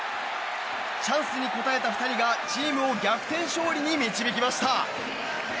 チャンスに応えた２人がチームを逆転勝利に導きました。